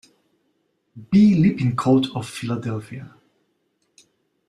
B. Lippincott of Philadelphia.